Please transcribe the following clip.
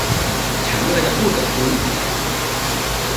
ฉันไม่มีอะไรจะพูดกับคุณ